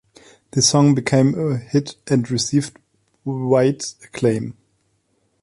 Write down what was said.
The song became a hit and received wide acclaim.